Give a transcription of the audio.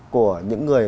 của những người